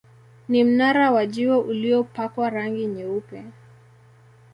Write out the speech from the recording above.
Ni mnara wa jiwe uliopakwa rangi nyeupe.